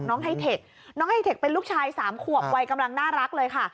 ไฮเทคน้องไฮเทคเป็นลูกชายสามขวบวัยกำลังน่ารักเลยค่ะ